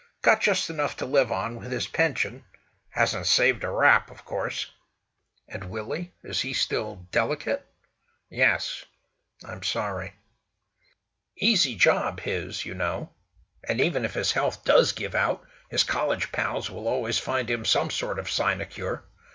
Got just enough to live on, with his pension—hasn't saved a rap, of course." "And Willie? Is he still delicate?" "Yes." "I'm sorry." "Easy job, his, you know. And even if his health does give out, his college pals will always find him some sort of sinecure.